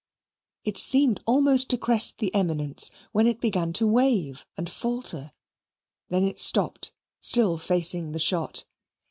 It seemed almost to crest the eminence, when it began to wave and falter. Then it stopped, still facing the shot.